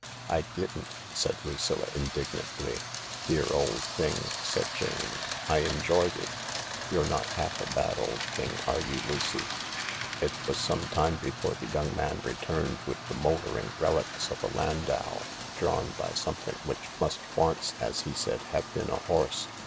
" I didn't," said Lucilla indignantly. "Dear old thing," said Jane, "I enjoyed it. You're not half a bad old thing, are you, Lucy ?" It was some time before the young man returned with, the mouldering relics of a landau, drawn by something which must once, as he said, have been a horse.